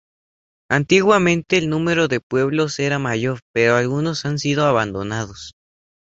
Antiguamente el número de pueblos era mayor, pero algunos han sido abandonados.